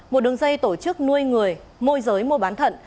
một đường dây tổ chức nuôi người môi giới mua bán thận